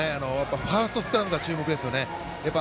ファーストスクラムが注目ですね。